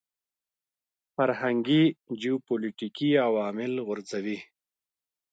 فرهنګي جیوپولیټیکي عوامل غورځوي.